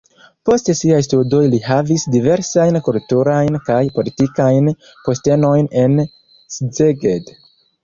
Post siaj studoj li havis diversajn kulturajn kaj politikajn postenojn en Szeged.